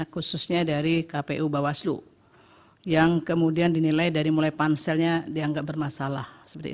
khususnya dari kpu bawaslu yang kemudian dinilai dari mulai panselnya dianggap bermasalah